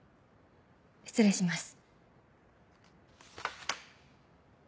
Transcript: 失礼します。